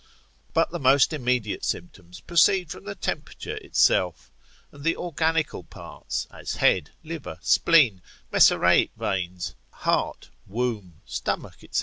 But the most immediate symptoms proceed from the temperature itself, and the organical parts, as head, liver, spleen, mesaraic veins, heart, womb, stomach, &c.